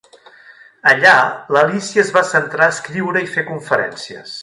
Allà, l'Alícia es va centrar a escriure i fer conferències.